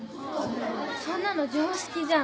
そんなの常識じゃん。